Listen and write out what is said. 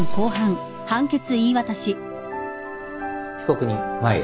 被告人前へ。